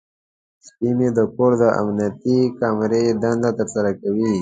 سپی مې د کور د امنیتي کامرې دنده ترسره کوي.